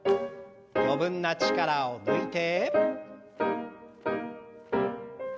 余分な力を抜いて。